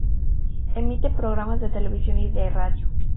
Emite programas de televisión y de radio.